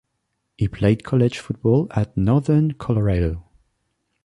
He played college football at Northern Colorado.